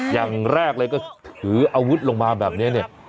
อย่างแรกเลยก็ถืออาวุธลงมาแบบนี้เนี่ย